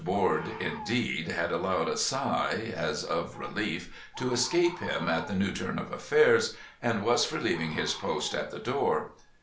Board, indeed, had allowed a sigh, as of relief, to escape him at the new turn of affairs, and was for leaving his post at the door.